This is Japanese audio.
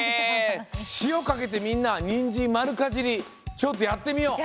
しおかけてみんなニンジンまるかじりちょっとやってみよう。